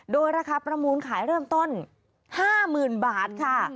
โดยราคาประมูลขายเริ่มต้น๕๐๐๐บาทค่ะ